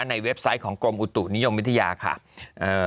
เว็บไซต์ของกรมอุตุนิยมวิทยาค่ะเอ่อ